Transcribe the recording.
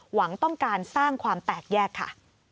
หวังต้องการสร้างความแตกแยกค่ะ